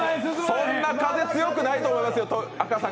そんな風、強くないと思いますよ、赤坂。